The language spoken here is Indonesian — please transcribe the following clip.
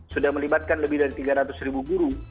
sudah melibatkan lebih dari tiga ratus ribu guru